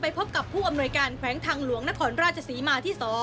พบกับผู้อำนวยการแขวงทางหลวงนครราชศรีมาที่๒